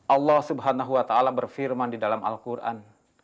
allah swt berfirman di dalam al quran